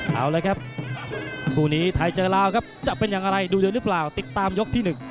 เอาละครับคู่นี้ไทยเจอลาวครับจะเป็นอย่างไรดูเดือนหรือเปล่าติดตามยกที่๑